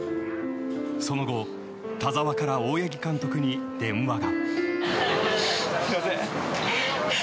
その後、田澤から大八木監督に電話が。